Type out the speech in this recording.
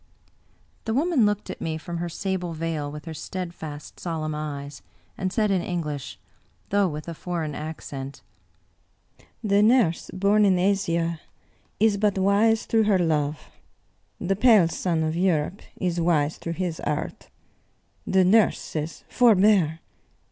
The woman looked at me from her sable veil, with her steadfast, solemn eyes, and said, in English, though with a foreign accent: "The nurse bom in Asia is but wise through her love; the pale son of Europe is wise through his art. The nurse says, * Forbear